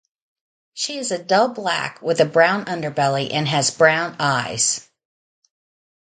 She is a dull black with a brown underbelly, and has brown eyes.